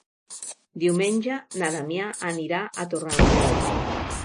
Diumenge na Damià anirà a Torrelameu.